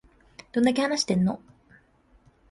どんだけ話してんの